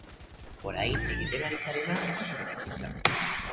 Orain egiten ari zarena ez da zure bizitza.